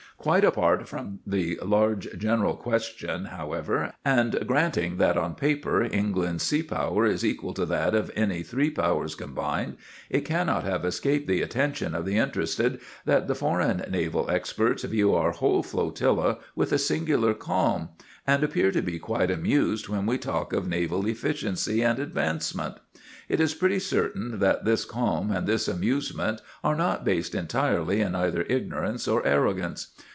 Quite apart from the large general question, however, and granting that on paper England's sea power is equal to that of any three powers combined, it cannot have escaped the attention of the interested that the foreign naval experts view our whole flotilla with a singular calm, and appear to be quite amused when we talk of naval efficiency and advancement. It is pretty certain that this calm and this amusement are not based entirely in either ignorance or arrogance.